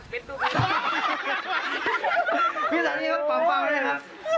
พี่ศัยสุดยอดป้าวได้ครับ